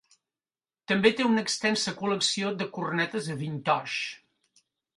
També té una extensa col·lecció de cornetes "vintage".